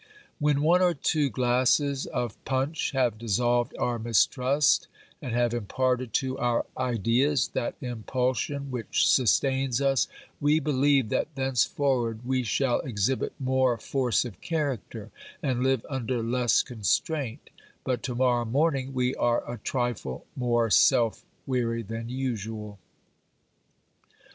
When one or two glasses of punch have dissolved our 36 OBERMANN mistrust, and have imparted to our ideas that impulsion which sustains us, we beUeve that thenceforward we shall exhibit more force of character and live under less con straint, but to morrow morning we are a trifle more self weary than usual.